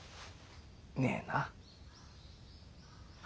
ねえな。